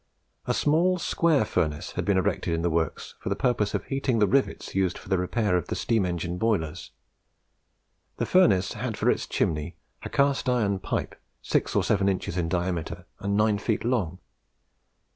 A small square furnace had been erected in the works for the purpose of heating the rivets used for the repair of steam engine boilers; the furnace had for its chimney a cast iron pipe six or seven inches in diameter and nine feet long.